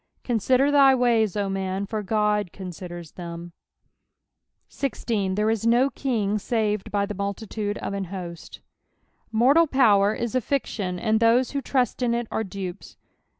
Consider thy ways, O man, for Qod considers them ! 16. " T/iere it no king tated ^ the mullitude of an hoit." Mortal power is a Action, and those who trust in it are dupea.